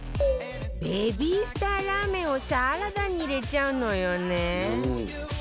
ベビースターラーメンをサラダに入れちゃうのよね